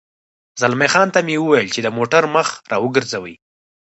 زلمی خان ته مې وویل چې د موټر مخ را وګرځوي.